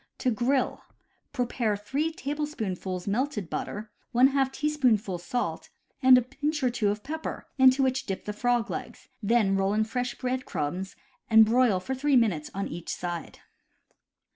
To grill: Prepare 3 tablespoonfuls melted butter, J teaspoonful salt, and a pinch or two of pepper, into which dip the frog legs, then roll in fresh bread crumbs, and broil for three minutes on each side.